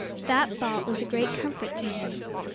That thought was a great comfort to him.